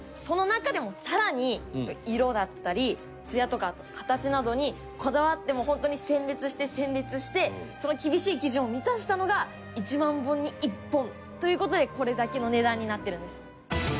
その中でも更に色だったり艶とかあと形などにこだわってもう本当に選別して選別してその厳しい基準を満たしたのが１万本に１本という事でこれだけの値段になってるんです。